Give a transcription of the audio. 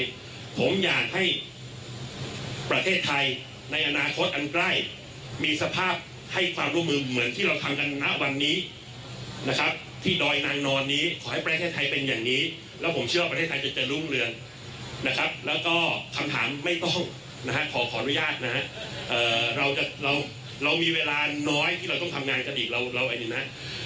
ผมอยากให้ประเทศไทยในอนาคตอันใกล้มีสภาพให้ความร่วมมือเหมือนที่เราทำกันณวันนี้นะครับที่ดอยนางนอนนี้ขอให้ประเทศไทยเป็นอย่างนี้แล้วผมเชื่อว่าประเทศไทยจะเจริญรุ่งเรืองนะครับแล้วก็คำถามไม่ต้องนะฮะขอขออนุญาตนะฮะเราจะเรามีเวลาน้อยที่เราต้องทำงานกันอีกเราเราเองเนี่ยนะ